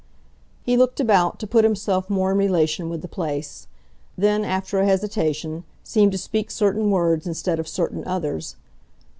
He looked about, to put himself more in relation with the place; then, after an hesitation, seemed to speak certain words instead of certain others.